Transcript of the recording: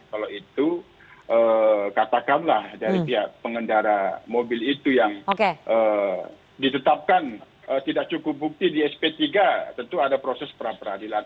kalau itu katakanlah dari pihak pengendara mobil itu yang ditetapkan tidak cukup bukti di sp tiga tentu ada proses pra peradilan